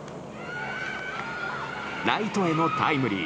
ライトへのタイムリー。